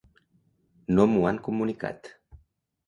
No m’ho han comunicat.